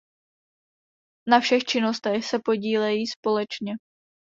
Na všech činnostech se podílejí společně.